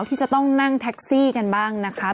ที่จะต้องนั่งแท็กซี่กันบ้างนะคะ